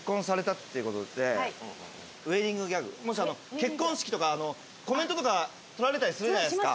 結婚式とかコメントとか撮られたりするじゃないですか。